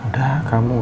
bersih teman bertemu